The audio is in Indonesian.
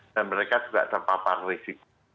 dan mereka juga terpapar risiko